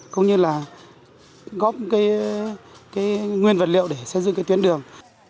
cũng như là góp cái nguyên vật liệu để xây dựng cái tuyến đường